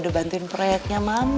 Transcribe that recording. ya ampun zam